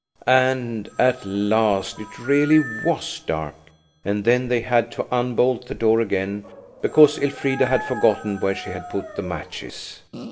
And at last it really was dark, and then they had to unbolt the door again, because Elfrida had forgotten where she had put the matches.